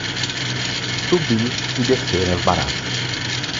Subir e descer as baratas.